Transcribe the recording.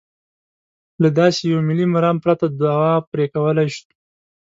له داسې یوه ملي مرام پرته دوا پرې کولای شو.